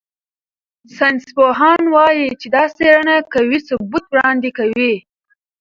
ساینسپوهان وايي چې دا څېړنه قوي ثبوت وړاندې کوي.